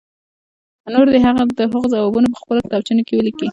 نور دې د هغو ځوابونه په خپلو کتابچو کې ولیکي.